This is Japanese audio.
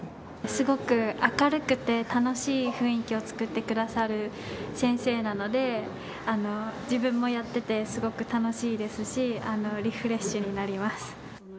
すごく明るくて楽しい雰囲気を作ってくださる先生なので、自分もやっていてすごく楽しいですしリフレッシュになります。